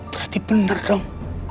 berarti bener dong